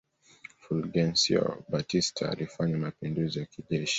Fulgencio Batista alifanya mapinduzi ya kijeshi